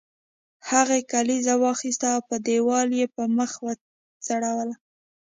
هغې کلیزه واخیسته او په دیوال یې په میخ وځړوله